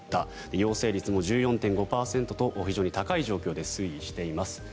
陽性率も１４．５％と非常に高い状況で推移しています。